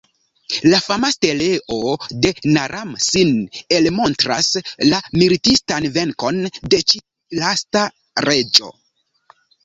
La fama steleo de Naram-Sin elmontras la militistan venkon de ĉi lasta reĝo.